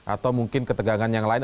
atau mungkin ketegangan yang lain